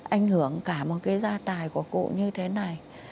anh hưởng cả một cái gia tài của cụ như thế này